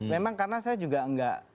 memang karena saya juga enggak